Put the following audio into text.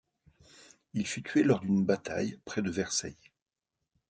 Il fut tué lors d'une bataille près de Verceil.